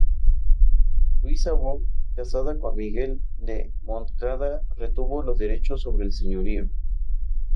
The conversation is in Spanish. Luisa Bou, casada con Miguel de Montcada, retuvo los derechos sobre el señorío.